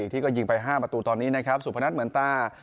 ที่ก็ยิงไป๕ประตูตอนนี้นะครับสุพนัทเหมือนตา